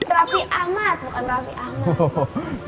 rapi amat bukan rapi amat